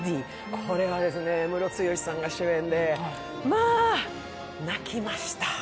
これはですね、ムロツヨシさんが主演でまあ、泣きました。